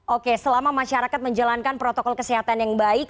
oke selama masyarakat menjalankan protokol kesehatan yang baik